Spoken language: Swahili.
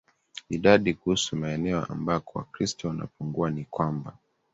idadi Kuhusu maeneo ambako Wakristo wanapungua ni kwamba